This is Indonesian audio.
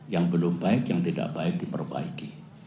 yang belum baik yang tidak baik diperbaiki